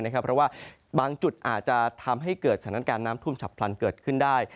เพราะว่าบางจุดอาจจะทำให้เกิดสถานการณ์น้ำท่วมฉับพลันเกิดขึ้นได้